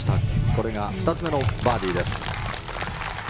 これが２つ目のバーディーです。